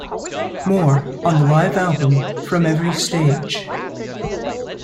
Moore, on the live album "From Every Stage".